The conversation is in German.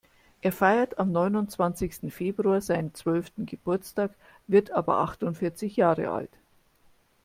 Er feiert am neunundzwanzigsten Februar seinen zwölften Geburtstag, wird aber achtundvierzig Jahre alt.